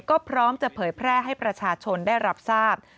ก็พร้อมจะเผยแพร่ให้ประชาชนได้รับทราบ